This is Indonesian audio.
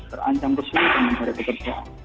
terancam kesulitan dari pekerjaan